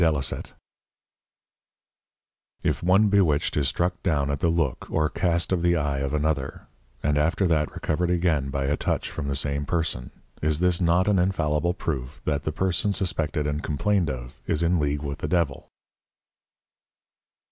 _ _If one bewitched is struck down at the Look or cast of the Eye of another, and after that recovered again by a Touch from the same Person, Is not this an infallible Proof, that the Person suspected and complained of is in League with the Devil?